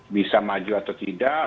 bisa maju atau tidak